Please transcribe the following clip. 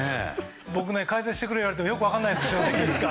僕に解説してくれ言われてもよく分かんないです。